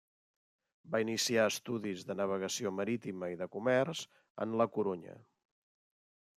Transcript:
Va iniciar estudis de navegació marítima i de comerç en La Corunya.